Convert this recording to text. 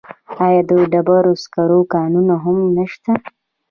آیا د ډبرو سکرو کانونه هم نشته؟